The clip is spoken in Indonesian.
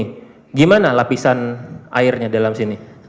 bagaimana lapisan airnya di dalam sini